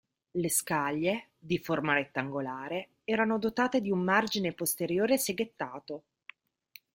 Le scaglie, di forma rettangolare, erano dotate di un margine posteriore seghettato.